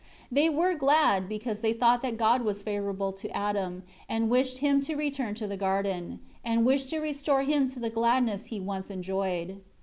11 They were glad, because they thought that God was favorable to Adam, and wished him to return to the garden; and wished to restore him to the gladness he once enjoyed.